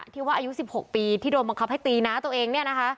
ที่ว่าอายุ๑๖ปีที่โดนบังคับให้ตีหน้าตัวเอง